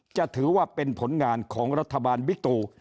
จะถือว่าเป็นผลงานของรัฐบาลบิ๊กตู